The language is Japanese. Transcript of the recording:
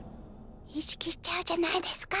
意識しちゃうじゃないですか！